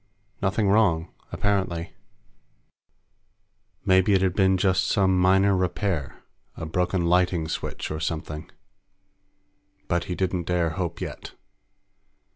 Nothing wrong, apparently. Maybe it had just been some minor repair a broken lighting switch or something. But he didn't dare hope yet.